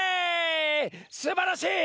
すばらしい！